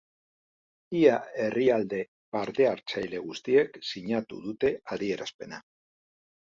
Ia herrialde parte-hartzaile guztiek sinatu dute adierazpena.